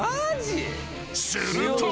［すると］